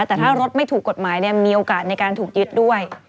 แต่ถ้ารถไม่ถูกกฎหมายมีโอกาสในการถูกยึดด้วย